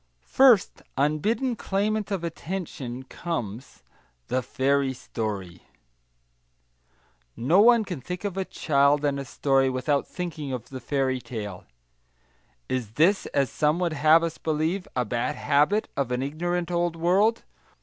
First, unbidden claimant of attention, comes THE FAIRY STORY No one can think of a child and a story, without thinking of the fairy tale. Is this, as some would have us believe, a bad habit of an ignorant old world?